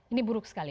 ini buruk sekali